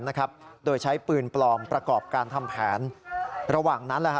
นะครับโดยใช้ปืนปลอมประกอบการทำแผนระหว่างนั้นแหละฮ